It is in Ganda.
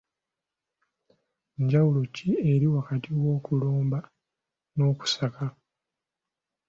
Njawulo ki eri wakati w’okulomba n'okusaka?